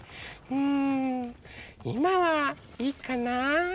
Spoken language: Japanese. うんいまはいいかな。